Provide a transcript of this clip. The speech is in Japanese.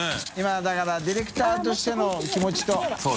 だからディレクターとしての気持ちと。